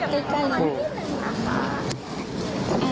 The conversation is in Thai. คุณแม่ก็เชื่อมั่นในตำรวจนะคะ